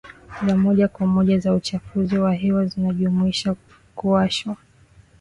za moja kwa moja za uchafuzi wa hewa zinajumuisha kuwashwa